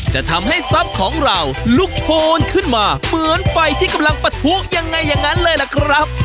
จะทำให้ทรัพย์ของเราลุกโชนขึ้นมาเหมือนไฟที่กำลังปะทุยังไงอย่างนั้นเลยล่ะครับ